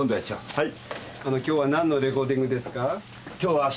はい。